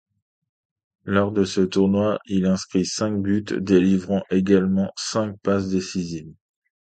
Lors de ce tournoi, il inscrit cinq buts, délivrant également cinq passes décisives.